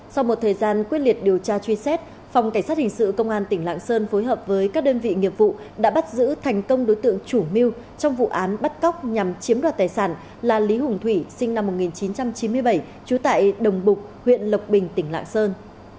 sau một thời gian quyết liệt điều tra truy xét phòng cảnh sát hình sự công an tỉnh lạng sơn phối hợp với các đơn vị nghiệp vụ đã bắt giữ thành công đối tượng chủ mưu trong vụ án bắt cóc nhằm chiếm đoạt tài sản là lý hùng thủy sinh năm một nghìn chín trăm chín mươi bảy trú tại đồng bục huyện lộc bình tỉnh lạng sơn